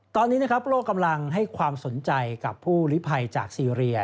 ตอนนี้นะครับโลกกำลังให้ความสนใจกับผู้ลิภัยจากซีเรีย